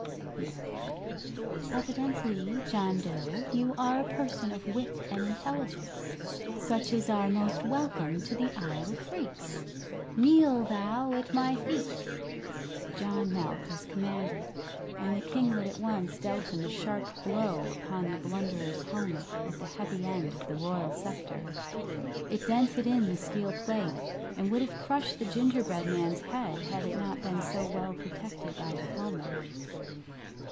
he murmured. "Evidently, John Dough, you are a person of wit and intelligence, such as are most welcome to the Isle of Phreex. Kneel thou at my feet." John knelt, as commanded, and the kinglet at once dealt him a sharp blow upon the Blunderer's helmet with the heavy end of the royal sceptre. It dented in the steel plate, and would have crushed the gingerbread man's head had it not been so well protected by the helmet.